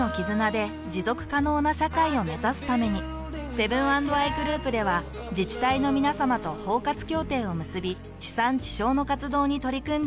セブン＆アイグループでは自治体のみなさまと包括協定を結び地産地消の活動に取り組んでいます。